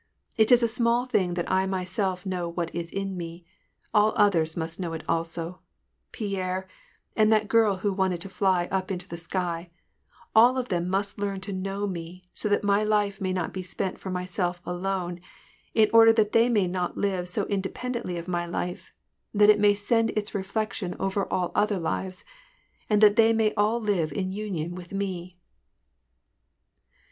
" It is a small thing that I myself know what is in me ; all others must know it also ; Pierre, and that girl who wanted to fly up into the sky ; all of them must learn to know me, so that my life may not be spent for myself alone, in order that they may not live so independently of my life, that it may send its reflection over all other lives, and that they may all live in union with me